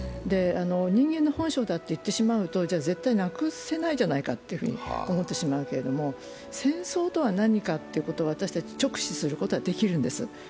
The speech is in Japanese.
人間の本性だと言ってしまうと、絶対なくせないじゃないかと思ってしまうけど、戦争とは何かってことを私たちは直視することはできるんです。